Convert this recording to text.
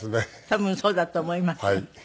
多分そうだと思いますよ。